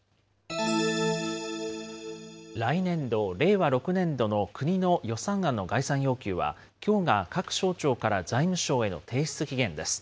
来年度・令和６年度の国の予算案の概算要求は、きょうが各省庁から財務省への提出期限です。